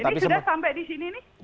ini sudah sampai di sini nih